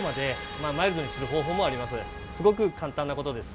すごく簡単な事です。